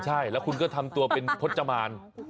ใช่แล้วคุณก็ทำตัวเป็นพจมาน